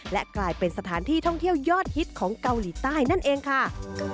และกลายเป็นสถานที่ท่องเที่ยวยอดฮิตของเกาหลีใต้นั่นเองค่ะ